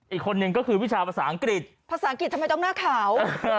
อีกคนนึงก็คือวิชาภาษาอังกฤษภาษาอังกฤษทำไมต้องหน้าขาว